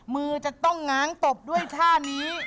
มือจะต้องง้างตบด้วยท่านี้